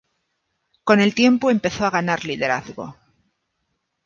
Con el tiempo empezó a ganar liderazgo.